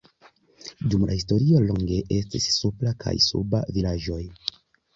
Dum la historio longe estis "Supra" kaj "Suba" vilaĝoj.